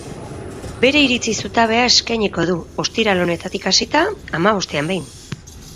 Bere iritzi zutabea eskainiko du, ostiral honetatik hasita, hamabostean behin.